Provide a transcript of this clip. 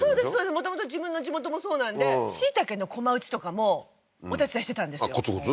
もともと自分の地元もそうなんでシイタケの駒打ちとかもお手伝いしてたんですよコツコツ？